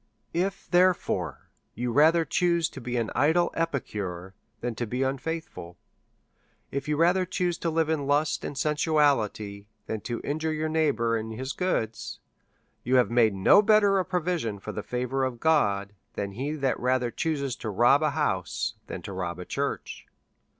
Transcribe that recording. If, therefore, you rather choose to be an idle epicure than to be unfaithful ; if you rather choose to live in Just and sensuality than to injure your neighbour in his goods, you have made no better a provision for the favour of God than he that rather chooses to rob a house than to rob a church.